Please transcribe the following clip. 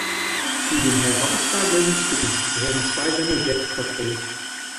Zu den herausragenden Stücken gehören zwei seiner Selbstporträts.